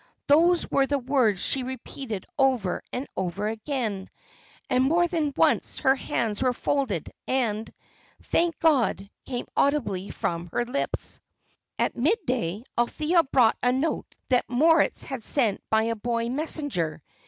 Those were the words she repeated over and over again, and more than once her hands were folded, and "Thank God!" came audibly from her lips. At midday Althea brought a note that Moritz had sent by a boy messenger.